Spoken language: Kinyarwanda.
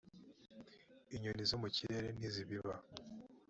mt inyoni zo mu kirere ntizibiba